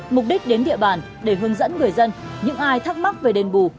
mục đích đến địa bàn để hướng dẫn người dân những ai thắc mắc về đền bù